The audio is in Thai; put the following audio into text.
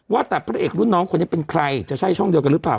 ว่าแต่พระเอกรุ่นน้องคนนี้เป็นใครจะใช่ช่องเดียวกันหรือเปล่า